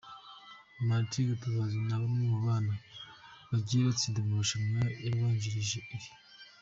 Martine Gatabazi na bamwe mu bana bagiye batsinda mu marushanwa yabanjirije iri.